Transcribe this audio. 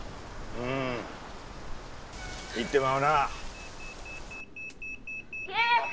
うん行ってまうな優！